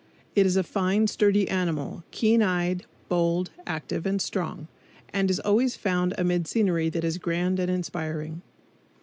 It is a fine, sturdy animal, keen eyed, bold, active and strong, and is always found amid scenery that is grand and inspiring.